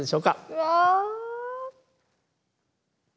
うわ。